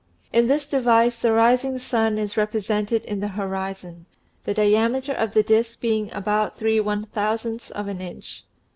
In this device the rising sun is represented in the horizon, the diameter of the disk being about three one thousandths of an inch.